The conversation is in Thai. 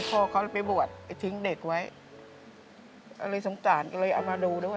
พ่อเขาไปบวชไปทิ้งเด็กไว้ก็เลยสงสารก็เลยเอามาดูด้วย